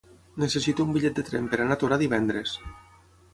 Necessito un bitllet de tren per anar a Torà divendres.